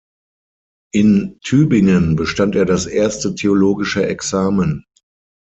In Tübingen bestand er das Erste Theologische Examen.